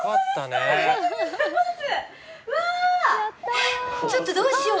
えっちょっとどうしよう。